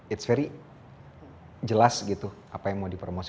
it's very jelas gitu apa yang mau dipromosi